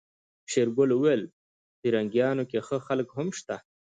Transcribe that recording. شېرګل وويل پرنګيانو کې ښه خلک هم شته.